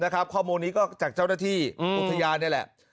ข้อมูลนี้ก็จากเจ้าหน้าที่อุทยานนี่แหละ